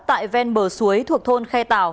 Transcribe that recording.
tại ven bờ suối thuộc thôn khe tảo